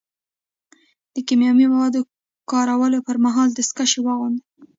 د کیمیاوي موادو کارولو پر مهال دستکشې واغوندئ.